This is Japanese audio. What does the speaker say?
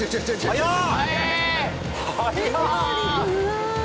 速っ！